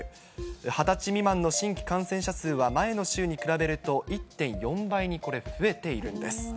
２０日未満の新規感染者数は、前の週に比べると、１．４倍にこれ、増えているんです。